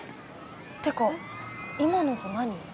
ってか今の音何？